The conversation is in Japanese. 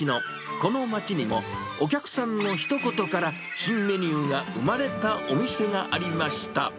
この街にも、お客さんのひと言から新メニューが生まれたお店がありました。